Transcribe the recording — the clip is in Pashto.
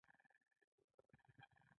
د محصل لپاره ذهنی ارامتیا اړینه ده.